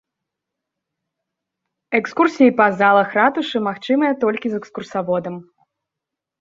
Экскурсіі па залах ратушы магчымыя толькі з экскурсаводам.